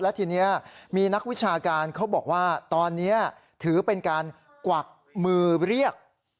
และทีนี้มีนักวิชาการเขาบอกว่าตอนนี้ถือเป็นการกวักมือเรียก